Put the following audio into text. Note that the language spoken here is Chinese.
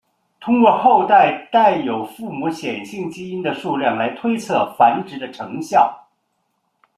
通过后代带有父母显性基因的数量来推测繁殖的成效。